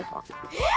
えっ！